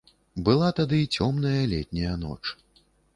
Была тады цёмная летняя ноч.